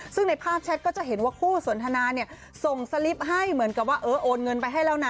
ซึ่งในภาพแชทก็จะเห็นว่าคู่สนทนาเนี่ยส่งสลิปให้เหมือนกับว่าเออโอนเงินไปให้แล้วนะ